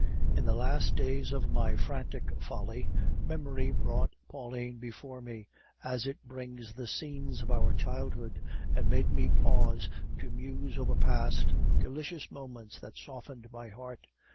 "In the last days of my frantic folly, memory brought Pauline before me, as it brings the scenes of our childhood, and made me pause to muse over past delicious moments that softened my heart.